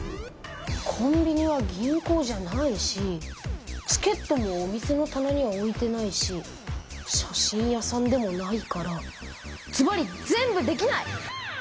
コンビニは銀行じゃないしチケットもお店のたなには置いてないし写真屋さんでもないからずばり全部できない！